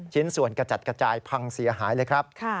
ชิ้นส่วนกระจัดกระจายพังเสียหายเลยครับ